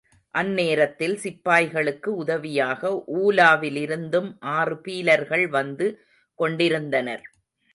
அந்நேரத்தில் சிப்பாய்களுக்கு உதவியாக ஊலாவிலிருந்தும் ஆறு பீலர்கள் வந்து கொண்டிருந்தனர்.